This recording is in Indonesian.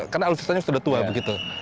karena alutsistanya sudah tua begitu